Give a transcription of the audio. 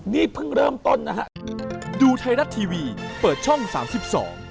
อ๋อนี่เพิ่งเริ่มต้นนะครับ